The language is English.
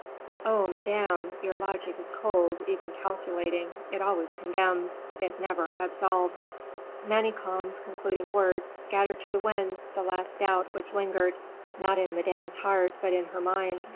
Oh, Madame! your logic is cold even calculating; it always condemns it never absolves." Manicamp's concluding words scattered to the winds the last doubt which lingered, not in Madame's heart, but in her mind.